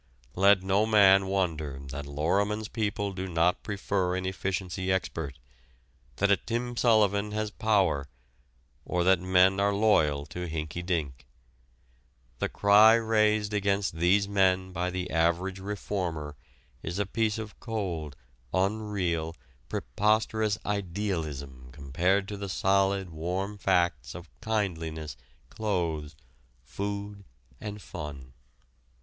Let no man wonder that Lorimer's people do not prefer an efficiency expert, that a Tim Sullivan has power, or that men are loyal to Hinky Dink. The cry raised against these men by the average reformer is a piece of cold, unreal, preposterous idealism compared to the solid warm facts of kindliness, clothes, food and fun.